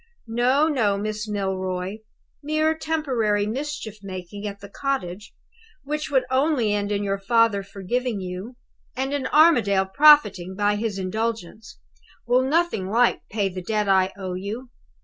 No, no, Miss Milroy; mere temporary mischief making at the cottage, which would only end in your father forgiving you, and in Armadale profiting by his indulgence, will nothing like pay the debt I owe you.